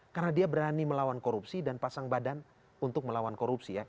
karena dia berani melawan korupsi dan pasang badan untuk melawan korupsi ya